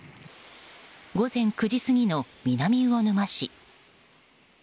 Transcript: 午前９時過ぎの南魚沼市。